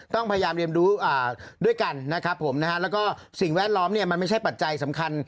พยายามเรียนรู้ด้วยกันนะครับผมนะฮะแล้วก็สิ่งแวดล้อมเนี่ยมันไม่ใช่ปัจจัยสำคัญ